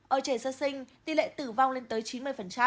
ở trẻ sơ sinh tỷ lệ tử vong lên tới chín mươi